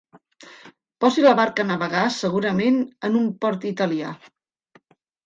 Posi la barca a navegar segurament en un port italià.